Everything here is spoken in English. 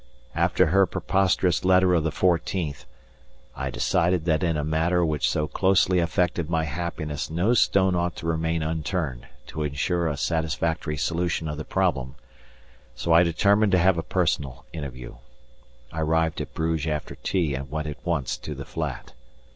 After her preposterous letter of the 14th, I decided that in a matter which so closely affected my happiness no stone ought to remain unturned to ensure a satisfactory solution of the problem, so I determined to have a personal interview. I arrived at Bruges after tea and went at once to the flat.